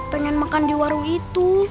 pengen makan di warung itu